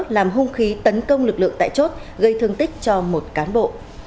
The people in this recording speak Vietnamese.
làm hung khí tấn công lực lượng tại chốt gây thương tích cho một cán bộ